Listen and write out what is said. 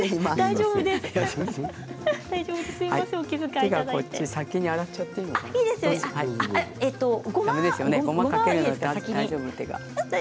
手を先に洗っちゃっていいのかな。